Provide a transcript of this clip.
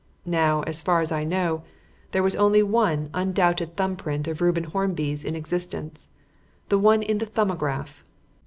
Now, as far as I knew, there was only one undoubted thumb print of Reuben Hornby's in existence the one in the 'Thumbograph.'